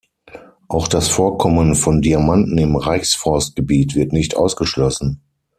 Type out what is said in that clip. Auch das Vorkommen von Diamanten im Reichsforst-Gebiet wird nicht ausgeschlossen.